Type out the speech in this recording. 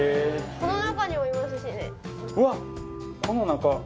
この中？